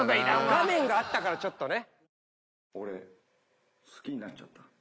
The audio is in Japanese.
画面があったからちょっとね。